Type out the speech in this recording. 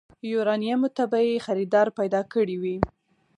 يوارنيمو ته به يې خريدار پيدا کړی وي.